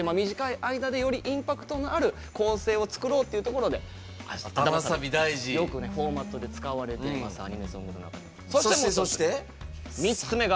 短い間でよりインパクトのある構成を作ろうっていうところでよくフォーマットで使われています。